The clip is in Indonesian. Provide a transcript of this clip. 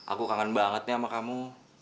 aku kangen banget nih sama kamu